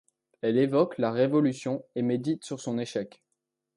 Elle évoque la révolution et médite sur son échec.